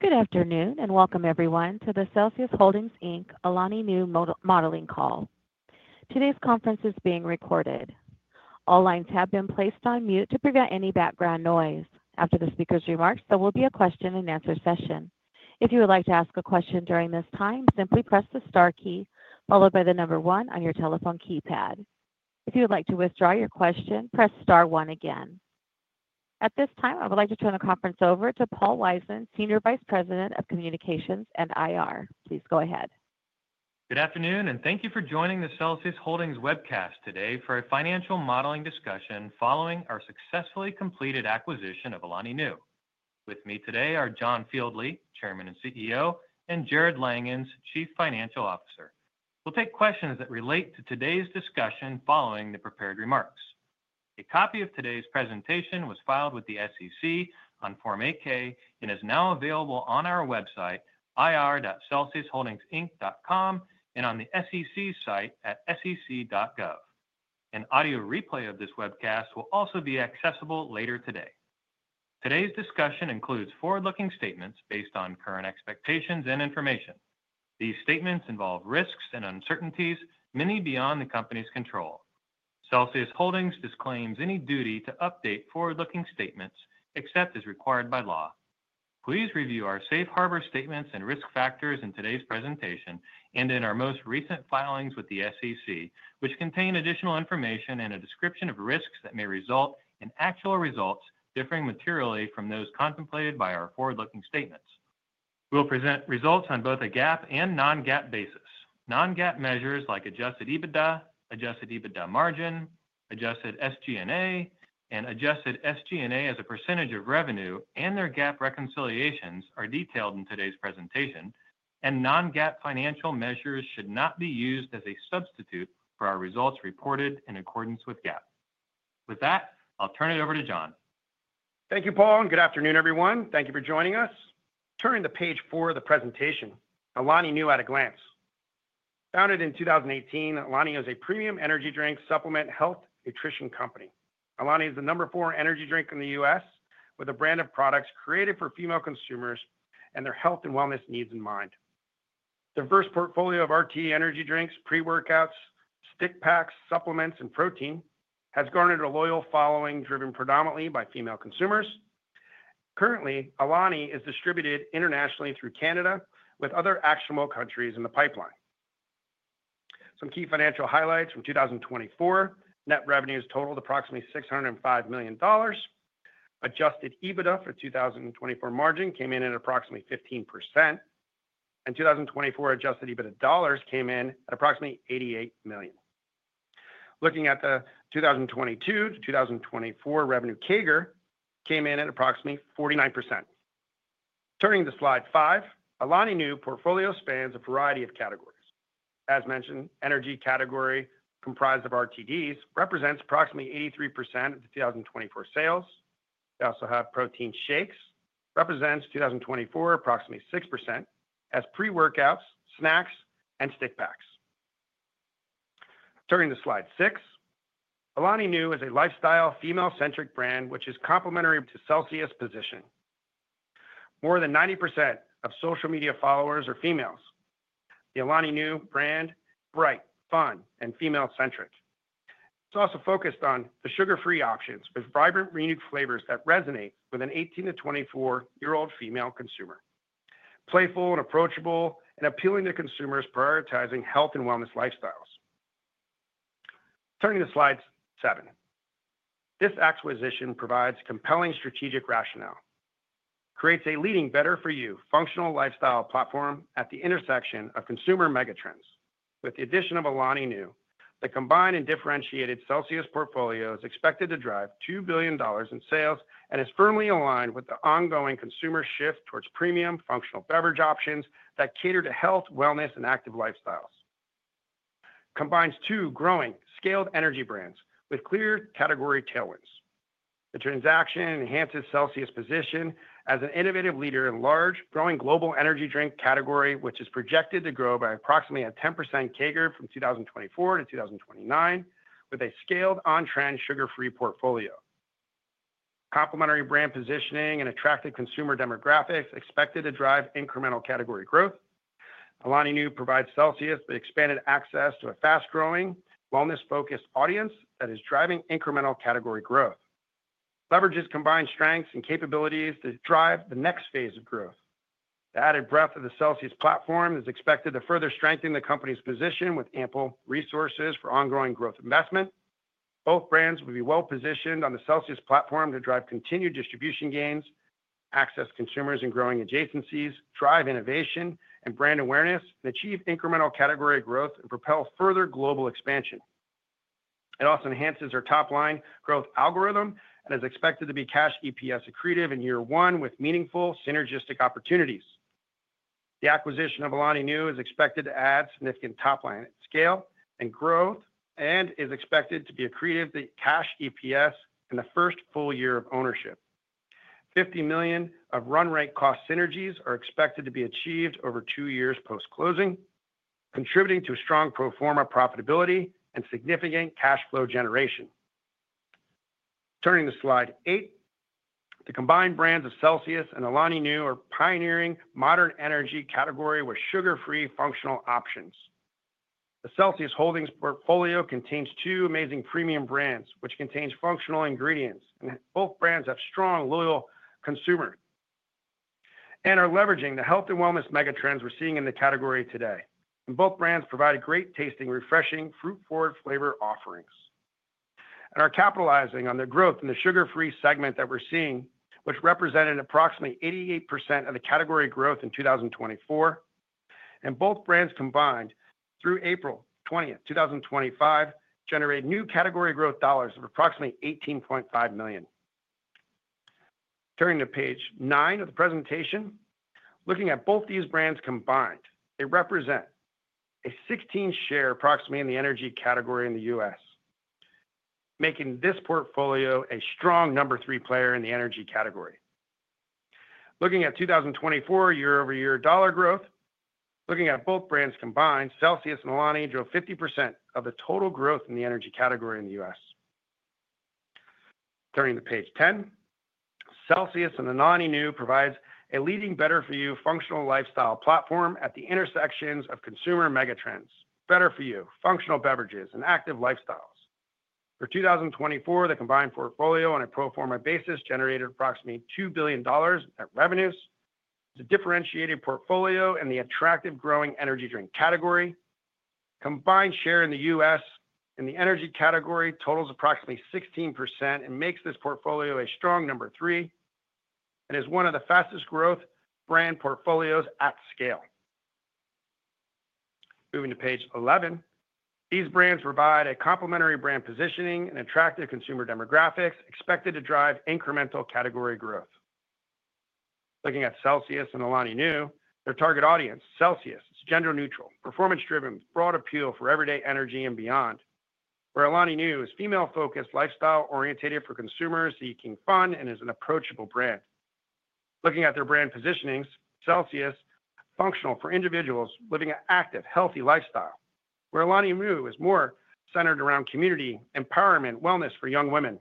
Good afternoon and welcome, everyone, to the Celsius Holdings, Inc Alani Nu modeling call. Today's conference is being recorded. All lines have been placed on mute to prevent any background noise. After the speaker's remarks, there will be a question-and-answer session. If you would like to ask a question during this time, simply press the star key followed by the number one on your telephone keypad. If you would like to withdraw your question, press star one again. At this time, I would like to turn the conference over to Paul Wiseman, Senior Vice President of Communications and IR. Please go ahead. Good afternoon, and thank you for joining the Celsius Holdings webcast today for a financial modeling discussion following our successfully completed acquisition of Alani Nu. With me today are John Fieldly, Chairman and CEO, and Jarrod Langhans, Chief Financial Officer. We'll take questions that relate to today's discussion following the prepared remarks. A copy of today's presentation was filed with the SEC on Form 8-K and is now available on our website, ir.celsiusholdingsinc.com, and on the SEC site at sec.gov. An audio replay of this webcast will also be accessible later today. Today's discussion includes forward-looking statements based on current expectations and information. These statements involve risks and uncertainties, many beyond the company's control. Celsius Holdings disclaims any duty to update forward-looking statements except as required by law. Please review our safe harbor statements and risk factors in today's presentation and in our most recent filings with the SEC, which contain additional information and a description of risks that may result in actual results differing materially from those contemplated by our forward-looking statements. We'll present results on both a GAAP and non-GAAP basis. Non-GAAP measures like adjusted EBITDA, adjusted EBITDA margin, adjusted SG&A, and adjusted SG&A as a percentage of revenue and their GAAP reconciliations are detailed in today's presentation, and non-GAAP financial measures should not be used as a substitute for our results reported in accordance with GAAP. With that, I'll turn it over to John. Thank you, Paul, and good afternoon, everyone. Thank you for joining us. Turning to page four of the presentation, Alani Nu at a glance. Founded in 2018, Alani is a premium energy drink supplement health nutrition company. Alani is the number four energy drink in the U.S. with a brand of products created for female consumers and their health and wellness needs in mind. The diverse portfolio of RTD energy drinks, pre-workouts, stick packs, supplements, and protein has garnered a loyal following driven predominantly by female consumers. Currently, Alani is distributed internationally through Canada with other actionable countries in the pipeline. Some key financial highlights from 2024: net revenues totaled approximately $605 million. Adjusted EBITDA for 2024 margin came in at approximately 15%, and 2024 adjusted EBITDA dollars came in at approximately $88 million. Looking at the 2022-2024 revenue, CAGR came in at approximately 49%. Turning to slide five, Alani Nu portfolio spans a variety of categories. As mentioned, energy category comprised of RTDs represents approximately 83% of the 2024 sales. We also have protein shakes, which represents 2024 approximately 6%, as pre-workouts, snacks, and stick packs. Turning to slide six, Alani Nu is a lifestyle female-centric brand, which is complementary to CELSIUS' position. More than 90% of social media followers are females. The Alani Nu brand is bright, fun, and female-centric. It's also focused on the sugar-free options with vibrant renewed flavors that resonate with an 18-24-year-old female consumer. Playful and approachable and appealing to consumers prioritizing health and wellness lifestyles. Turning to slide seven, this acquisition provides compelling strategic rationale. It creates a leading better-for-you functional lifestyle platform at the intersection of consumer megatrends. With the addition of Alani Nu, the combined and differentiated CELSIUS portfolio is expected to drive $2 billion in sales and is firmly aligned with the ongoing consumer shift towards premium functional beverage options that cater to health, wellness, and active lifestyles. It combines two growing scaled energy brands with clear category tailwinds. The transaction enhances CELSIUS' position as an innovative leader in a large, growing global energy drink category, which is projected to grow by approximately a 10% CAGR from 2024 to 2029 with a scaled on-trend sugar-free portfolio. Complementary brand positioning and attractive consumer demographics are expected to drive incremental category growth. Alani Nu provides CELSIUS with expanded access to a fast-growing, wellness-focused audience that is driving incremental category growth. It leverages combined strengths and capabilities to drive the next phase of growth. The added breadth of the Celsius platform is expected to further strengthen the company's position with ample resources for ongoing growth investment. Both brands will be well positioned on the Celsius platform to drive continued distribution gains, access consumers in growing adjacencies, drive innovation and brand awareness, and achieve incremental category growth and propel further global expansion. It also enhances our top-line growth algorithm and is expected to be cash EPS accretive in year one with meaningful synergistic opportunities. The acquisition of Alani Nu is expected to add significant top-line scale and growth and is expected to be accretive to cash EPS in the first full year of ownership. $50 million of run rate cost synergies are expected to be achieved over two years post-closing, contributing to strong proforma profitability and significant cash flow generation. Turning to slide eight, the combined brands of CELSIUS and Alani Nu are pioneering the modern energy category with sugar-free functional options. The Celsius Holdings portfolio contains two amazing premium brands, which contain functional ingredients, and both brands have strong loyal consumers and are leveraging the health and wellness megatrends we're seeing in the category today. Both brands provide great tasting, refreshing fruit-forward flavor offerings. They are capitalizing on the growth in the sugar-free segment that we're seeing, which represented approximately 88% of the category growth in 2024. Both brands combined through April 20th, 2025, generate new category growth dollars of approximately $18.5 million. Turning to page nine of the presentation, looking at both these brands combined, they represent a 16% share approximately in the energy category in the U.S., making this portfolio a strong number three player in the energy category. Looking at 2024 year-over-year dollar growth, looking at both brands combined, CELSIUS and Alani drove 50% of the total growth in the energy category in the U.S. Turning to page 10, CELSIUS and Alani Nu provide a leading better-for-you functional lifestyle platform at the intersections of consumer megatrends, better-for-you functional beverages, and active lifestyles. For 2024, the combined portfolio on a proforma basis generated approximately $2 billion in revenues. It's a differentiated portfolio in the attractive growing energy drink category. Combined share in the U.S. in the energy category totals approximately 16% and makes this portfolio a strong number three and is one of the fastest growth brand portfolios at scale. Moving to page 11, these brands provide a complementary brand positioning and attractive consumer demographics expected to drive incremental category growth. Looking at CELSIUS and Alani Nu, their target audience, CELSIUS, is gender-neutral, performance-driven, broad appeal for everyday energy and beyond, where Alani Nu is female-focused, lifestyle-orientated for consumers seeking fun and is an approachable brand. Looking at their brand positionings, CELSIUS is functional for individuals living an active, healthy lifestyle, where Alani Nu is more centered around community, empowerment, and wellness for young women.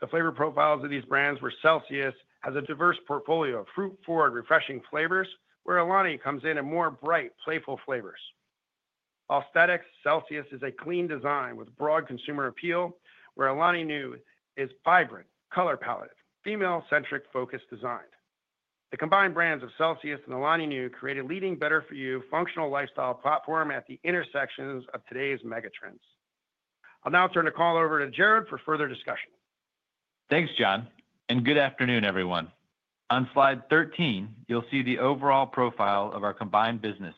The flavor profiles of these brands where CELSIUS has a diverse portfolio of fruit-forward refreshing flavors, where Alani comes in at more bright, playful flavors. Aesthetics, CELSIUS is a clean design with broad consumer appeal, where Alani Nu is vibrant, color-pallet, female-centric focus designed. The combined brands of CELSIUS and Alani Nu create a leading better-for-you functional lifestyle platform at the intersections of today's megatrends. I'll now turn the call over to Jarrod for further discussion. Thanks, John, and good afternoon, everyone. On slide 13, you'll see the overall profile of our combined business,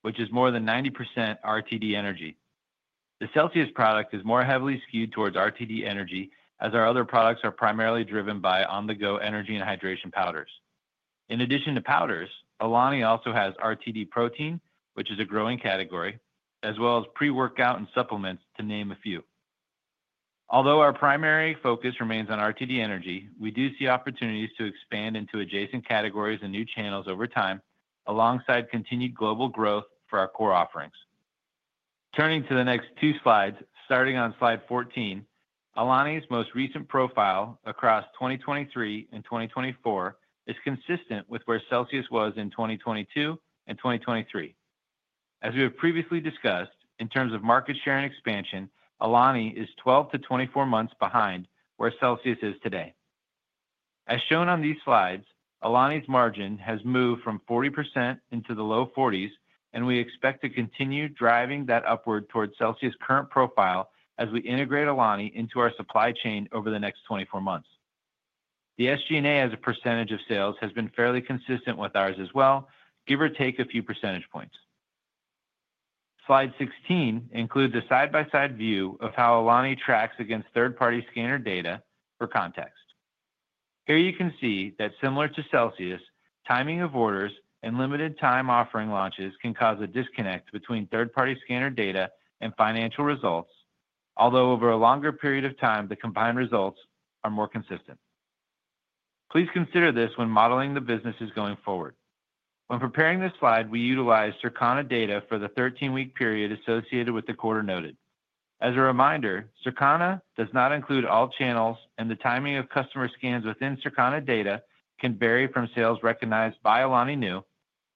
which is more than 90% RTD energy. The CELSIUS product is more heavily skewed towards RTD energy as our other products are primarily driven by on-the-go energy and hydration powders. In addition to powders, Alani also has RTD protein, which is a growing category, as well as pre-workout and supplements, to name a few. Although our primary focus remains on RTD energy, we do see opportunities to expand into adjacent categories and new channels over time alongside continued global growth for our core offerings. Turning to the next two slides, starting on slide 14, Alani's most recent profile across 2023 and 2024 is consistent with where CELSIUS was in 2022 and 2023. As we have previously discussed, in terms of market share and expansion, Alani is 12-24 months behind where CELSIUS is today. As shown on these slides, Alani's margin has moved from 40% into the low 40s, and we expect to continue driving that upward towards CELSIUS' current profile as we integrate Alani into our supply chain over the next 24 months. The SG&A as a percentage of sales has been fairly consistent with ours as well, give or take a few percentage points. Slide 16 includes a side-by-side view of how Alani tracks against third-party scanner data for context. Here you can see that, similar to CELSIUS, timing of orders and limited-time offering launches can cause a disconnect between third-party scanner data and financial results, although over a longer period of time, the combined results are more consistent. Please consider this when modeling the businesses going forward. When preparing this slide, we utilized Circana data for the 13-week period associated with the quarter noted. As a reminder, Circana does not include all channels, and the timing of customer scans within Circana data can vary from sales recognized by Alani Nu,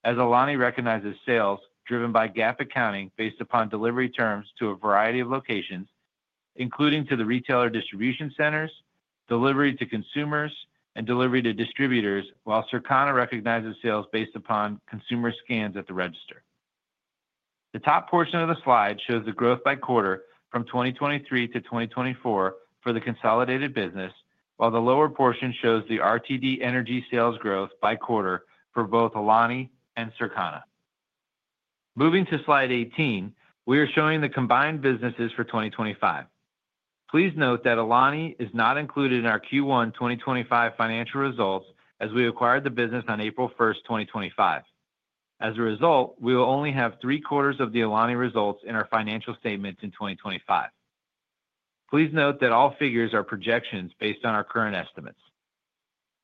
as Alani recognizes sales driven by GAAP accounting based upon delivery terms to a variety of locations, including to the retailer distribution centers, delivery to consumers, and delivery to distributors, while Circana recognizes sales based upon consumer scans at the register. The top portion of the slide shows the growth by quarter from 2023 to 2024 for the consolidated business, while the lower portion shows the RTD energy sales growth by quarter for both Alani and Circana. Moving to slide 18, we are showing the combined businesses for 2025. Please note that Alani is not included in our Q1 2025 financial results as we acquired the business on April 1st, 2025. As a result, we will only have three-quarters of the Alani results in our financial statement in 2025. Please note that all figures are projections based on our current estimates.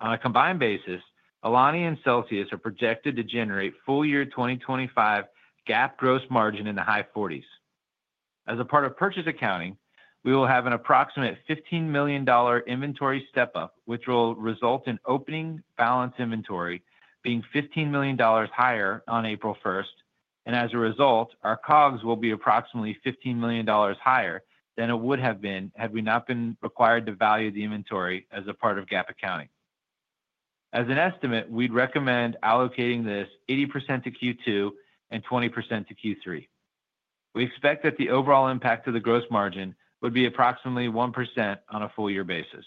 On a combined basis, Alani and CELSIUS are projected to generate full-year 2025 GAAP gross margin in the high 40s. As a part of purchase accounting, we will have an approximate $15 million inventory step-up, which will result in opening balance inventory being $15 million higher on April 1st. As a result, our COGS will be approximately $15 million higher than it would have been had we not been required to value the inventory as a part of GAAP accounting. As an estimate, we'd recommend allocating this 80% to Q2 and 20% to Q3. We expect that the overall impact of the gross margin would be approximately 1% on a full year basis.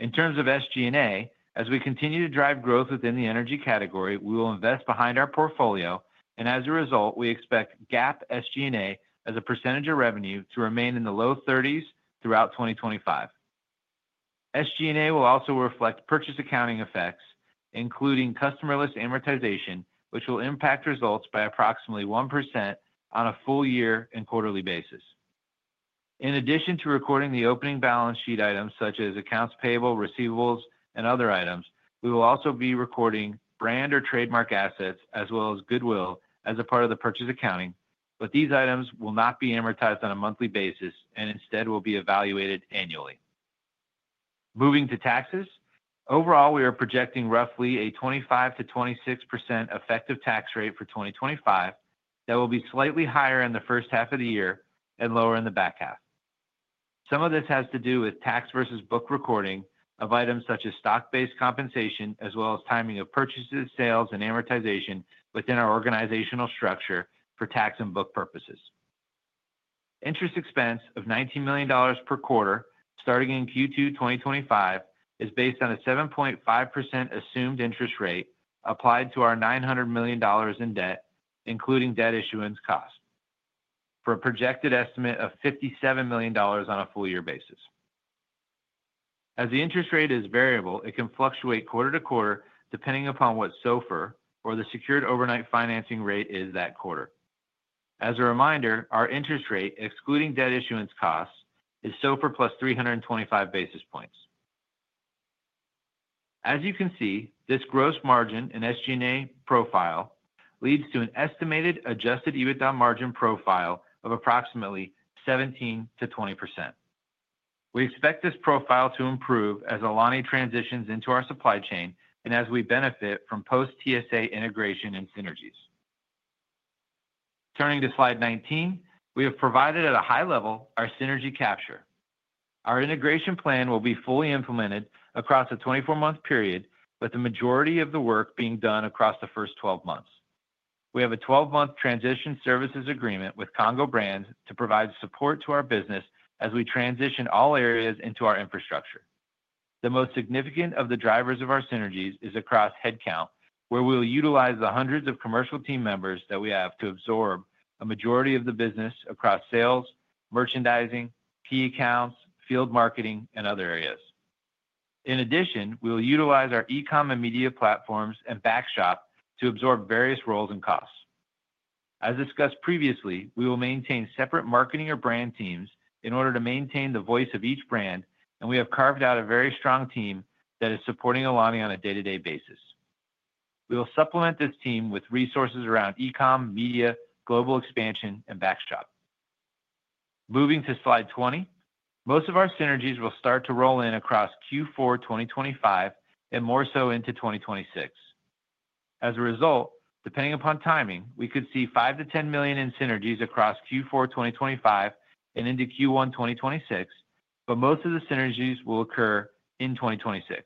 In terms of SG&A, as we continue to drive growth within the energy category, we will invest behind our portfolio, and as a result, we expect GAAP SG&A as a percentage of revenue to remain in the low 30s throughout 2025. SG&A will also reflect purchase accounting effects, including customer list amortization, which will impact results by approximately 1% on a full year and quarterly basis. In addition to recording the opening balance sheet items such as accounts payable, receivables, and other items, we will also be recording brand or trademark assets as well as goodwill as a part of the purchase accounting, but these items will not be amortized on a monthly basis and instead will be evaluated annually. Moving to taxes, overall, we are projecting roughly a 25%-26% effective tax rate for 2025 that will be slightly higher in the first half of the year and lower in the back half. Some of this has to do with tax versus book recording of items such as stock-based compensation as well as timing of purchases, sales, and amortization within our organizational structure for tax and book purposes. Interest expense of $19 million per quarter starting in Q2 2025 is based on a 7.5% assumed interest rate applied to our $900 million in debt, including debt issuance cost, for a projected estimate of $57 million on a full year basis. As the interest rate is variable, it can fluctuate quarter to quarter depending upon what SOFR or the secured overnight financing rate is that quarter. As a reminder, our interest rate, excluding debt issuance costs, is SOFR plus 325 basis points. As you can see, this gross margin and SG&A profile leads to an estimated adjusted EBITDA margin profile of approximately 17%-20%. We expect this profile to improve as Alani transitions into our supply chain and as we benefit from post-TSA integration and synergies. Turning to slide 19, we have provided at a high level our synergy capture. Our integration plan will be fully implemented across a 24-month period, with the majority of the work being done across the first 12 months. We have a 12-month transition services agreement with Congo Brands to provide support to our business as we transition all areas into our infrastructure. The most significant of the drivers of our synergies is across headcount, where we'll utilize the hundreds of commercial team members that we have to absorb a majority of the business across sales, merchandising, key accounts, field marketing, and other areas. In addition, we'll utilize our e-comm and media platforms and back shop to absorb various roles and costs. As discussed previously, we will maintain separate marketing or brand teams in order to maintain the voice of each brand, and we have carved out a very strong team that is supporting Alani on a day-to-day basis. We will supplement this team with resources around e-comm, media, global expansion, and back shop. Moving to slide 20, most of our synergies will start to roll in across Q4 2025 and more so into 2026. As a result, depending upon timing, we could see $5 million-$10 million in synergies across Q4 2025 and into Q1 2026, but most of the synergies will occur in 2026.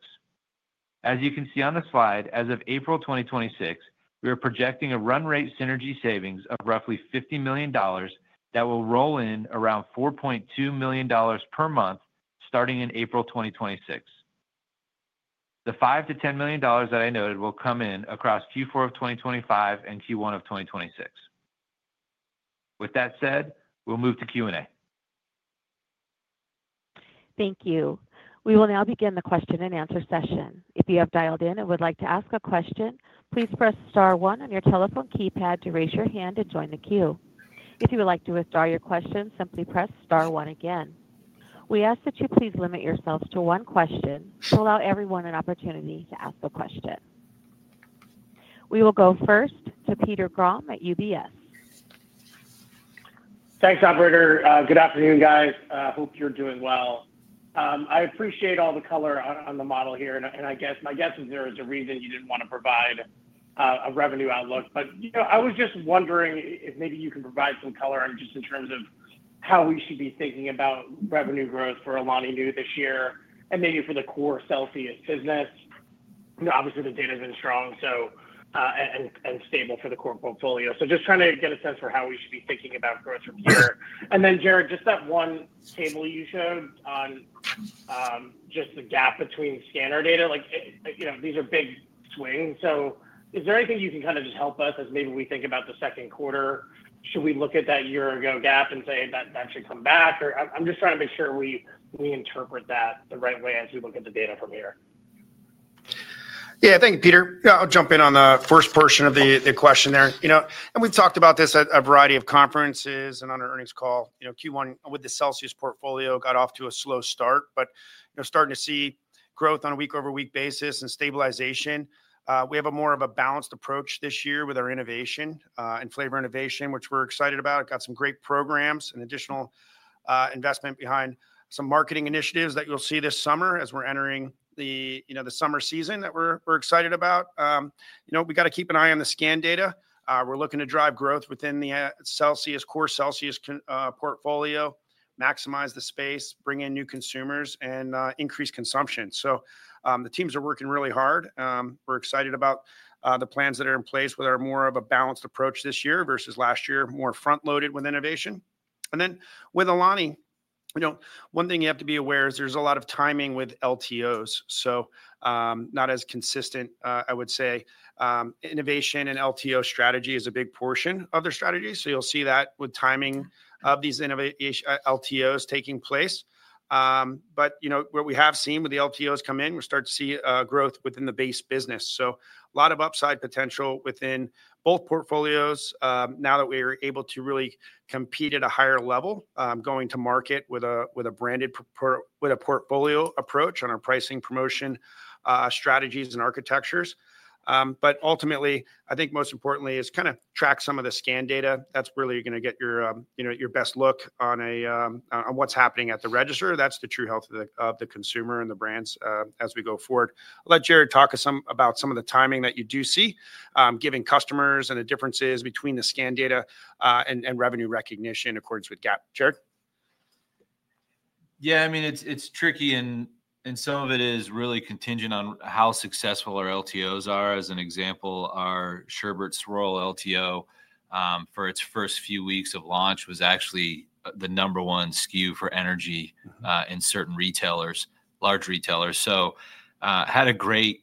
As you can see on the slide, as of April 2026, we are projecting a run rate synergy savings of roughly $50 million that will roll in around $4.2 million per month starting in April 2026. The $5 million-$10 million that I noted will come in across Q4 of 2025 and Q1 of 2026. With that said, we'll move to Q&A. Thank you. We will now begin the question and answer session. If you have dialed in and would like to ask a question, please press star one on your telephone keypad to raise your hand and join the queue. If you would like to withdraw your question, simply press star one again. We ask that you please limit yourselves to one question to allow everyone an opportunity to ask a question. We will go first to Peter Grom at UBS. Thanks, operator. Good afternoon, guys. Hope you're doing well. I appreciate all the color on the model here, and I guess my guess is there is a reason you didn't want to provide a revenue outlook. I was just wondering if maybe you can provide some color on just in terms of how we should be thinking about revenue growth for Alani Nu this year and maybe for the core Celsius business. Obviously, the data has been strong and stable for the core portfolio. Just trying to get a sense for how we should be thinking about growth from here. Then, Jarrod, just that one table you showed on just the gap between scanner data, these are big swings. Is there anything you can kind of just help us as maybe we think about the second quarter? Should we look at that year-ago gap and say that that should come back? I'm just trying to make sure we interpret that the right way as we look at the data from here. Yeah, thank you, Peter. I'll jump in on the first portion of the question there. We've talked about this at a variety of conferences and on our earnings call. Q1 with the CELSIUS portfolio got off to a slow start, but starting to see growth on a week-over-week basis and stabilization. We have more of a balanced approach this year with our innovation and flavor innovation, which we're excited about. Got some great programs and additional investment behind some marketing initiatives that you'll see this summer as we're entering the summer season that we're excited about. We've got to keep an eye on the scan data. We're looking to drive growth within the Celsius core CELSIUS portfolio, maximize the space, bring in new consumers, and increase consumption. The teams are working really hard. We're excited about the plans that are in place with our more of a balanced approach this year versus last year, more front-loaded with innovation. With Alani, one thing you have to be aware is there's a lot of timing with LTOs, so not as consistent, I would say. Innovation and LTO strategy is a big portion of their strategy. You'll see that with timing of these LTOs taking place. What we have seen with the LTOs come in, we start to see growth within the base business. A lot of upside potential within both portfolios now that we are able to really compete at a higher level going to market with a branded portfolio approach on our pricing, promotion strategies, and architectures. Ultimately, I think most importantly, is kind of track some of the scan data. That's really going to get your best look on what's happening at the register. That's the true health of the consumer and the brands as we go forward. I'll let Jarrod talk about some of the timing that you do see, giving customers and the differences between the scan data and revenue recognition accords with GAAP. Jarrod? Yeah, I mean, it's tricky, and some of it is really contingent on how successful our LTOs are. As an example, our Sherbet Swirl LTO for its first few weeks of launch was actually the number one SKU for energy in certain retailers, large retailers. Had a great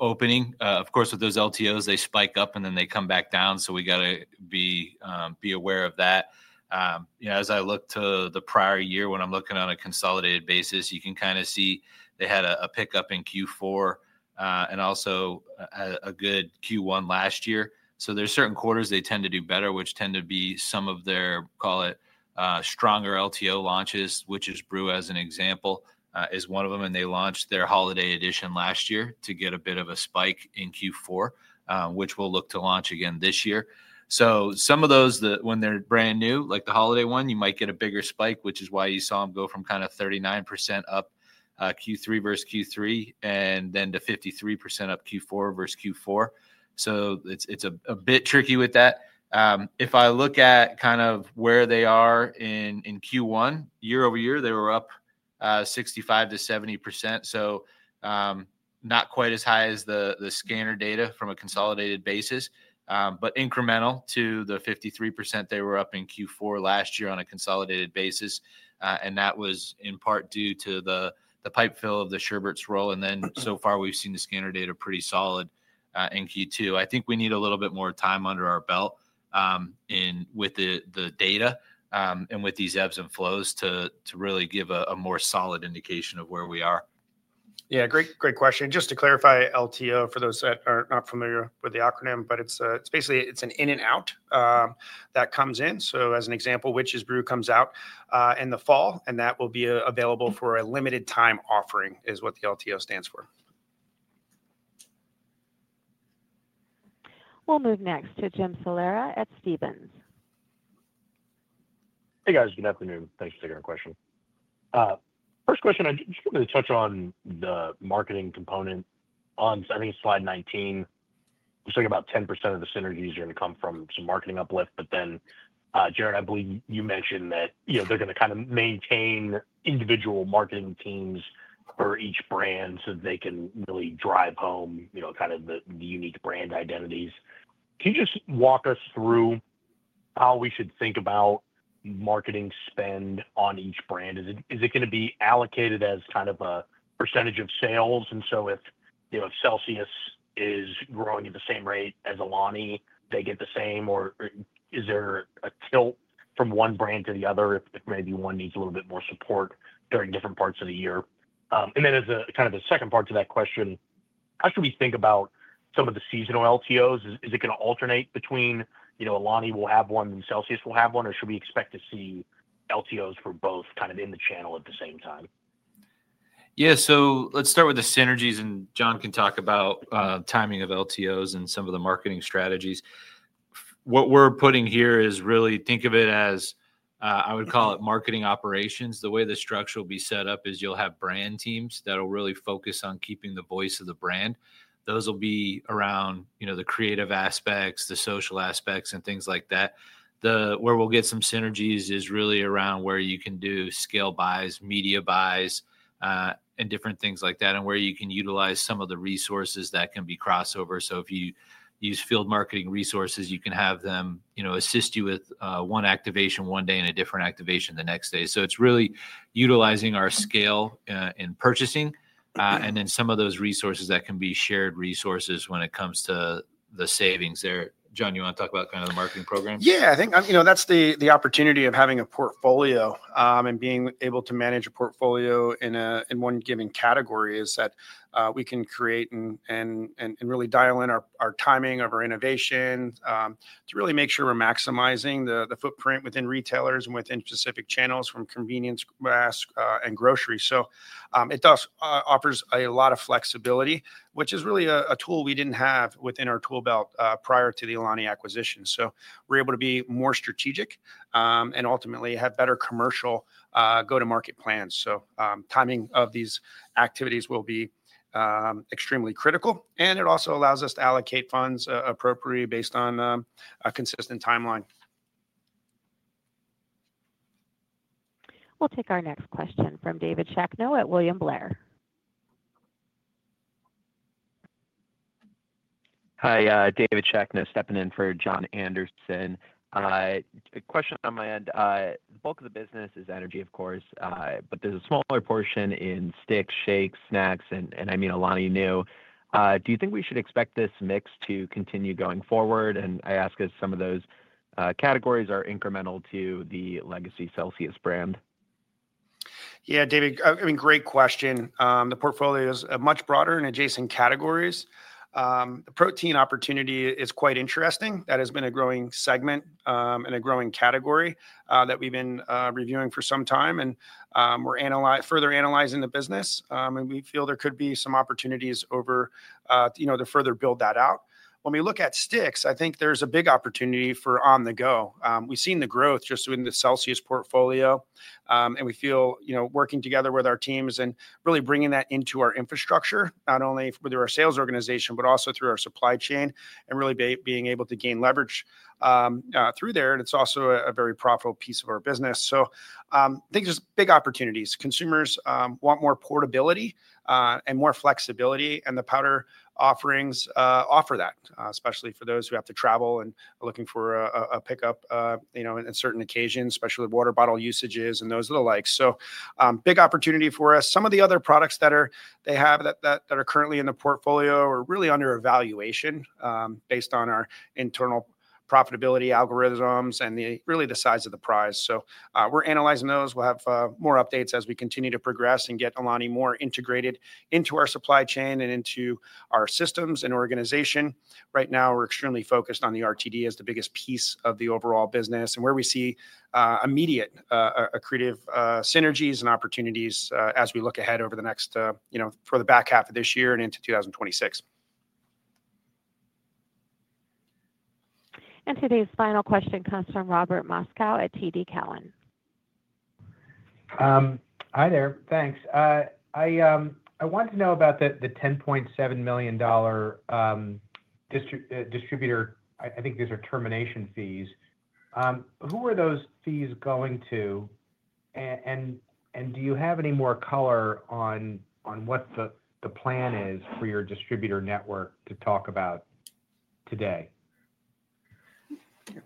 opening. Of course, with those LTOs, they spike up and then they come back down. We've got to be aware of that. As I look to the prior year, when I'm looking on a consolidated basis, you can kind of see they had a pickup in Q4 and also a good Q1 last year. There are certain quarters they tend to do better, which tend to be some of their, call it, stronger LTO launches, Witch's Brew as an example, is one of them. They launched their holiday edition last year to get a bit of a spike in Q4, which we'll look to launch again this year. Some of those, when they're brand new, like the holiday one, you might get a bigger spike, which is why you saw them go from kind of 39% up Q3 versus Q3 and then to 53% up Q4 versus Q4. It is a bit tricky with that. If I look at kind of where they are in Q1, year-over-year, they were up 65%-70%. Not quite as high as the scanner data from a consolidated basis, but incremental to the 53% they were up in Q4 last year on a consolidated basis. That was in part due to the pipe fill of the Sherbet Swirl. So far, we've seen the scanner data pretty solid in Q2. I think we need a little bit more time under our belt with the data and with these ebbs and flows to really give a more solid indication of where we are. Yeah, great question. Just to clarify, LTO, for those that are not familiar with the acronym, but it's basically an in and out that comes in. As an example, Witch's Brew comes out in the fall, and that will be available for a limited time offering is what the LTO stands for. We'll move next to Jim Salera at Stephens. Hey, guys. Good afternoon. Thanks for taking our question. First question, I just wanted to touch on the marketing component. On, I think, slide 19, you're saying about 10% of the synergies are going to come from some marketing uplift. Jarrod, I believe you mentioned that they're going to kind of maintain individual marketing teams for each brand so that they can really drive home kind of the unique brand identities. Can you just walk us through how we should think about marketing spend on each brand? Is it going to be allocated as kind of a percentage of sales? If CELSIUS is growing at the same rate as Alani, they get the same, or is there a tilt from one brand to the other if maybe one needs a little bit more support during different parts of the year? As a kind of a second part to that question, how should we think about some of the seasonal LTOs? Is it going to alternate between Alani will have one and CELSIUS will have one, or should we expect to see LTOs for both kind of in the channel at the same time? Yeah, so let's start with the synergies, and John can talk about timing of LTOs and some of the marketing strategies. What we're putting here is really think of it as, I would call it, marketing operations. The way the structure will be set up is you'll have brand teams that will really focus on keeping the voice of the brand. Those will be around the creative aspects, the social aspects, and things like that. Where we'll get some synergies is really around where you can do scale buys, media buys, and different things like that, and where you can utilize some of the resources that can be crossover. So if you use field marketing resources, you can have them assist you with one activation one day and a different activation the next day. It's really utilizing our scale in purchasing and then some of those resources that can be shared resources when it comes to the savings. John, you want to talk about kind of the marketing program? Yeah, I think that's the opportunity of having a portfolio and being able to manage a portfolio in one given category is that we can create and really dial in our timing of our innovation to really make sure we're maximizing the footprint within retailers and within specific channels from convenience and grocery. It offers a lot of flexibility, which is really a tool we didn't have within our tool belt prior to the Alani acquisition. We're able to be more strategic and ultimately have better commercial go-to-market plans. Timing of these activities will be extremely critical, and it also allows us to allocate funds appropriately based on a consistent timeline. We'll take our next question from David Shakno at William Blair. Hi, David Shakno stepping in for Jon Andersen. A question on my end. The bulk of the business is energy, of course, but there's a smaller portion in sticks, shakes, snacks, and I mean Alani Nu. Do you think we should expect this mix to continue going forward? I ask as some of those categories are incremental to the legacy CELSIUS brand. Yeah, David, I mean, great question. The portfolio is much broader in adjacent categories. The protein opportunity is quite interesting. That has been a growing segment and a growing category that we've been reviewing for some time, and we're further analyzing the business. We feel there could be some opportunities to further build that out. When we look at sticks, I think there's a big opportunity for on-the-go. We've seen the growth just within the CELSIUS portfolio, and we feel working together with our teams and really bringing that into our infrastructure, not only through our sales organization, but also through our supply chain and really being able to gain leverage through there. It's also a very profitable piece of our business. I think there's big opportunities. Consumers want more portability and more flexibility, and the powder offerings offer that, especially for those who have to travel and are looking for a pickup on certain occasions, especially water bottle usages and those of the like. Big opportunity for us. Some of the other products that they have that are currently in the portfolio are really under evaluation based on our internal profitability algorithms and really the size of the prize. We are analyzing those. We will have more updates as we continue to progress and get Alani more integrated into our supply chain and into our systems and organization. Right now, we are extremely focused on the RTD as the biggest piece of the overall business and where we see immediate creative synergies and opportunities as we look ahead over the next for the back half of this year and into 2026. Today's final question comes from Robert Moskow at TD Cowen. Hi there. Thanks. I wanted to know about the $10.7 million distributor. I think these are termination fees. Who are those fees going to? Do you have any more color on what the plan is for your distributor network to talk about today?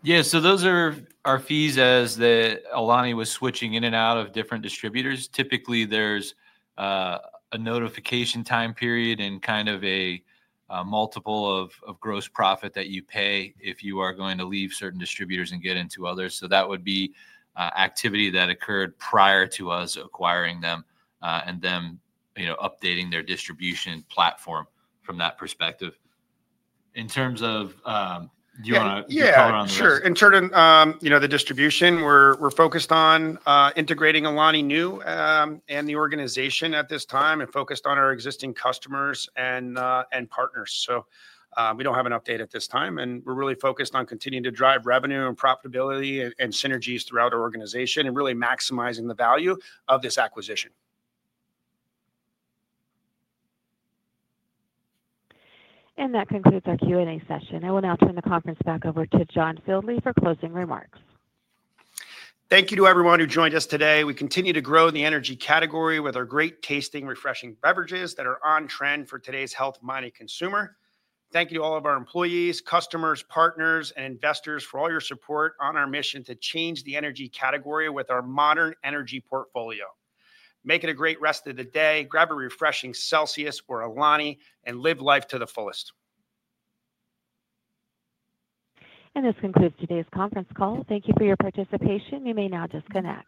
Yeah, so those are our fees as the Alani was switching in and out of different distributors. Typically, there's a notification time period and kind of a multiple of gross profit that you pay if you are going to leave certain distributors and get into others. That would be activity that occurred prior to us acquiring them and them updating their distribution platform from that perspective. In terms of, John, do you want to color on this? Yeah, sure. In terms of the distribution, we're focused on integrating Alani Nu and the organization at this time and focused on our existing customers and partners. We don't have an update at this time, and we're really focused on continuing to drive revenue and profitability and synergies throughout our organization and really maximizing the value of this acquisition. That concludes our Q&A session. I will now turn the conference back over to John Fieldly for closing remarks. Thank you to everyone who joined us today. We continue to grow in the energy category with our great tasting, refreshing beverages that are on trend for today's health-minded consumer. Thank you to all of our employees, customers, partners, and investors for all your support on our mission to change the energy category with our modern energy portfolio. Make it a great rest of the day. Grab a refreshing CELSIUS or Alani and live life to the fullest. This concludes today's conference call. Thank you for your participation. You may now disconnect.